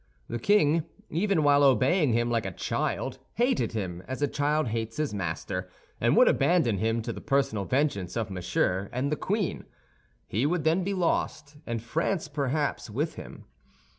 The king, even while obeying him like a child, hated him as a child hates his master, and would abandon him to the personal vengeance of Monsieur and the queen. He would then be lost, and France, perhaps, with him.